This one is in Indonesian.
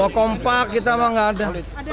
oh kompak kita mah nggak ada